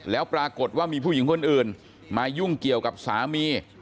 แล้วปรากฏว่ามีผู้หญิงคนอื่นมายุ่งเกี่ยวกับสามี